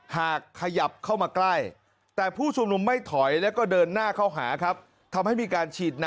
หากขยับเข้ามาใกล้